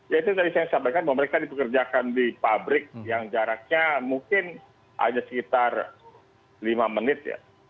ya itu tadi saya sampaikan bahwa mereka dipekerjakan di pabrik yang jaraknya mungkin hanya sekitar lima menit ya